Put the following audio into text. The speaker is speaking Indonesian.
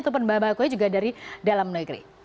atau pembahagiannya juga dari dalam negeri